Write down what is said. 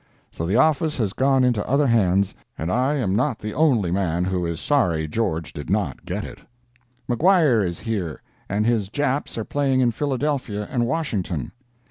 So the office has gone into other hands, and I am not the only man who is sorry George did not get it. Maguire is here, and his Japs are playing in Philadelphia and Washington.